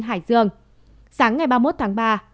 hãy đăng ký kênh để nhận thông tin nhất